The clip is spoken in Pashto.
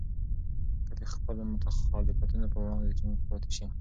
هغه د خپلو مخالفتونو په وړاندې ټینګ پاتې شو.